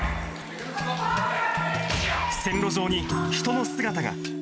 線路上に人の姿が。